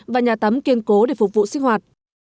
và nhà tắm kiên cố để phục vụ sinh hoạt